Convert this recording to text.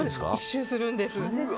１周するんです。